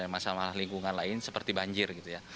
masalah lingkungan lain seperti banjir